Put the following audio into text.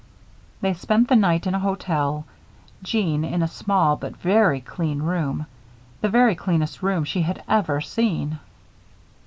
They spent the night in a hotel; Jeanne in a small, but very clean room the very cleanest room she had ever seen.